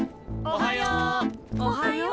おはよう。